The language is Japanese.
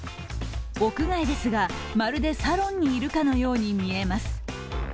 屋外ですが、まるでサロンにいるかのように見えます。